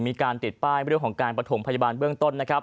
มีการติดป้ายเรื่องของการประถมพยาบาลเบื้องต้นนะครับ